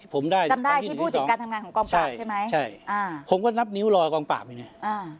ผมก็นับนิ้วรอกองปราบเนี่ย